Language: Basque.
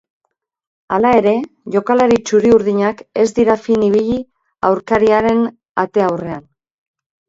Hala ere, jokalari txuri-urdinak ez dira fin ibili aurkariaren ate aurrean.